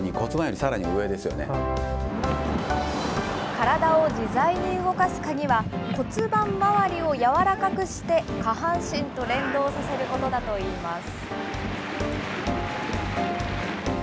体を自在に動かす鍵は、骨盤まわりをやわらかくして、下半身と連動させることだといいます。